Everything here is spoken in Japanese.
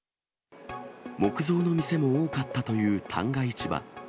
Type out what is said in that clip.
木造の店も多かったという旦過市場。